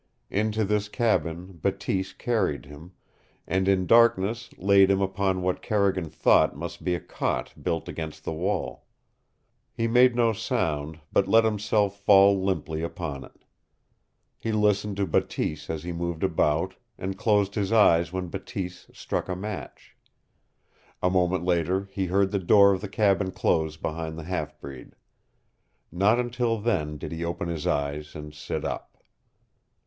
Into this cabin Bateese carried him, and in darkness laid him upon what Carrigan thought must be a cot built against the wall. He made no sound, but let himself fall limply upon it. He listened to Bateese as he moved about, and closed his eyes when Bateese struck a match. A moment later he heard the door of the cabin close behind the half breed. Not until then did he open his eyes and sit up.